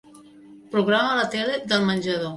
Programa la tele del menjador.